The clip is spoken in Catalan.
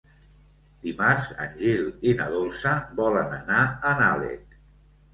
Dimarts en Gil i na Dolça volen anar a Nalec.